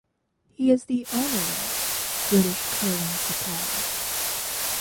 He is owner of "British Curling Supplies".